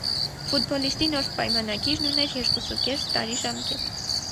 Ֆուտբոլիստի նոր պայմանագիրն ուներ երկուս ու կես տարի ժամկետ։